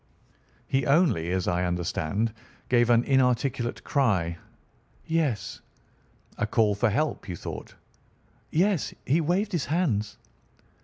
"He only, as I understand, gave an inarticulate cry?" "Yes." "A call for help, you thought?" "Yes. He waved his hands."